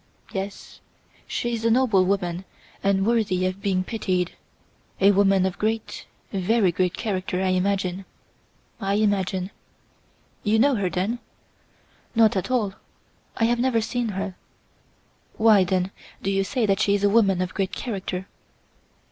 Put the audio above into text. "Yes; she's a noble woman and worthy of being pitied! a woman of a great, a very great character I imagine I imagine." "You know her then?" "Not at all. I have never seen her." "Why, then, do you say that she is a woman of great character?"